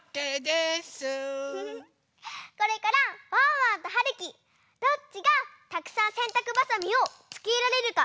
これからワンワンとはるきどっちがたくさんせんたくばさみをつけられるかきょうそうです！